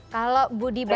kalau budi baik